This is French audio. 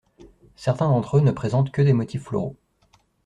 Certains d'entre eux ne présentent que des motifs floraux.